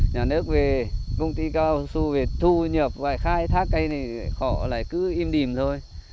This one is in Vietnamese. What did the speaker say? nhà nước về công ty cao su về thu nhập và khai thác cây này họ lại cứ im thôi